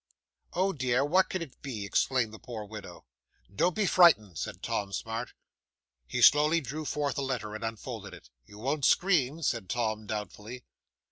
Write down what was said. '"Oh, dear, what can it be?" exclaimed the poor widow. '"Don't be frightened," said Tom Smart. He slowly drew forth the letter, and unfolded it. "You won't scream?" said Tom doubtfully.